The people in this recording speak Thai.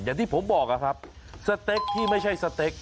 อย่างที่ผมบอกครับสเต็กที่ไม่ใช่สเต็ก